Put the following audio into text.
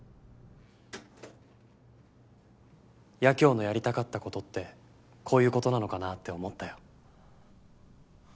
八京のやりたかった事ってこういう事なのかなって思ったよ。